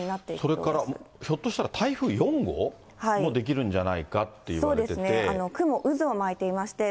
それから、ひょっとしたら台風４号もできるんじゃないかっていわれてて。